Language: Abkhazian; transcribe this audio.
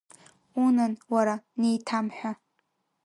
Унан, уара, неиҭамҳәа!